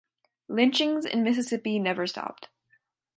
Lynchings in Mississippi never stopped.